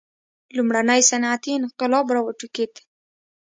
لومړنی صنعتي انقلاب را وټوکېد.